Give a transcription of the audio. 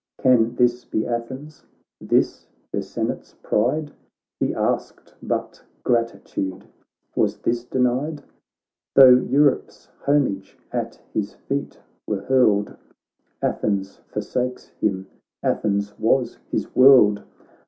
Can this be Athens ! this her Senate's pride ! He asked but gratitude, — was this de nied? BOOK II 13 Tho' Europe's homage at his feet were hurled Athens forsakes him — Athens was his world.